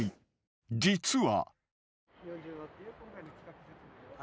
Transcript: ［実は］